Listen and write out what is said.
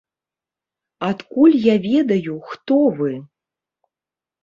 Адкуль я ведаю, хто вы?